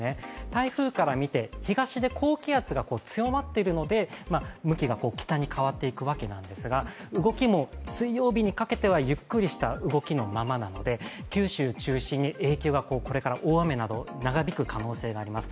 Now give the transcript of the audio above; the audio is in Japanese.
台風から見て東で高気圧が強まっているので、向きが北に変わっていくわけなんですが動きも水曜日にかけてはゆっくりした動きのままなので九州中心に、影響がこれから大雨など長引く可能性があります。